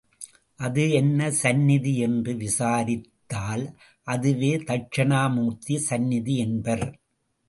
அது என்ன சந்நிதி என்று விசாரித்தால் அதுவே தக்ஷிணாமூர்த்தி சந்நிதி என்பர்.